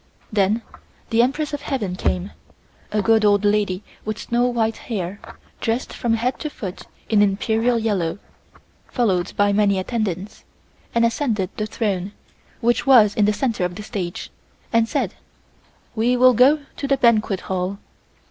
Then the Empress of Heaven came, a good old lady with snow white hair, dressed from head to foot in Imperial yellow, followed by many attendants, and ascended the throne, which was in the center of the stage, and said: "We will go to the banquet hall."